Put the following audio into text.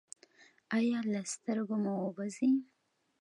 ایا له سترګو مو اوبه ځي؟